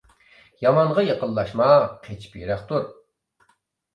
يامانغا يېقىنلاشما قېچىپ يىراق تۇر.